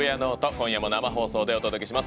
今夜も生放送でお届けします。